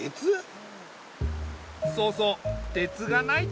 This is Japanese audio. そうそう鉄がないとね。